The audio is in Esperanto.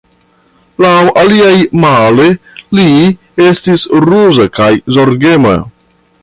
Laŭ aliaj, male, li estis ruza kaj zorgema.